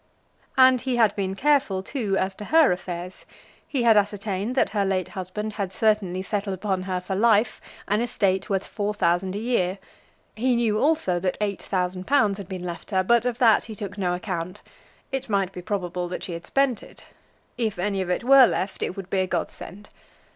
And he had been careful, too, as to her affairs. He had ascertained that her late husband had certainly settled upon her for life an estate worth four thousand a year. He knew, also, that eight thousand pounds had been left her, but of that he took no account. It might be probable that she had spent it. If any of it were left, it would be a godsend.